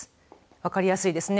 分かりやすいですね。